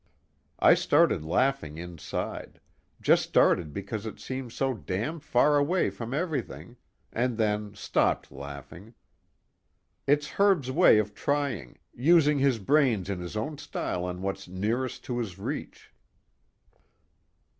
I started laughing inside just started because it seemed so damn far away from everything and then stopped laughing. It's Herb's way of trying, using his brains in his own style on what's nearest to his reach."